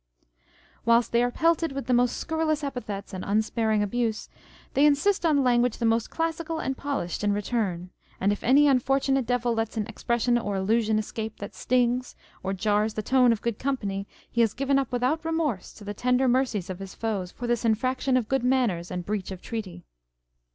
Whilst they are pelted with the most scurrilous epithets and unsparing abuse, they insist on language the most classical and polished in return ; and if any unfortunate devil lets an expression or allusion escape that stings, or jars the tone of good company, he is given up without remorse to the tender mercies of his foes for this infrac tion of good manners and breach of treaty.